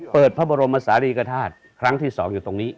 เปิดพระบรมศาลีกฐาตุครั้งที่๒อยู่ตรงนี้